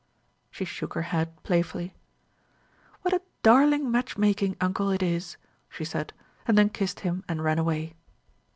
She shook her head playfully. "What a darling match making uncle it is!" she said, and then kissed him and ran away.